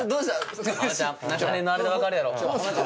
長年のあれで分かるやろ？